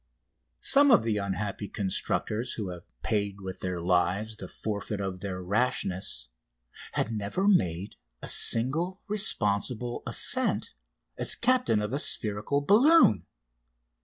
Some of the unhappy constructors who have paid with their lives the forfeit of their rashness had never made a single responsible ascent as captain of a spherical balloon!